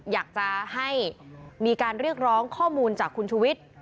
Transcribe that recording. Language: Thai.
อยากจะให้มีการเรียกร้องข้อมูลจากคุณชุวิต